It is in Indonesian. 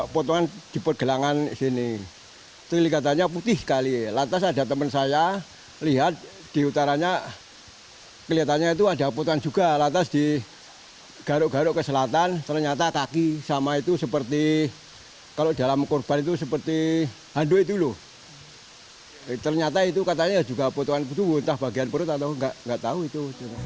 karena itu katanya juga potongan tubuh entah bagian perut atau enggak tahu itu